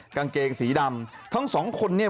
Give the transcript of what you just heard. กางเกงสีดำทั้งสองคนเนี่ย